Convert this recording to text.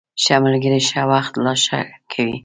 ښه ملګري ښه وخت لا ښه کوي.